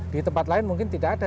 di tempat lain mungkin tidak ada